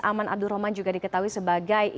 aman abdurrahman juga diketahui sebagai